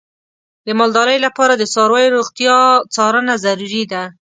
د مالدارۍ لپاره د څارویو روغتیا څارنه ضروري ده.